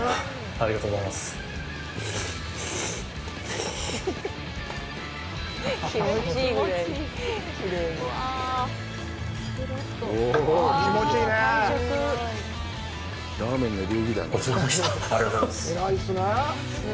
ありがとうございます。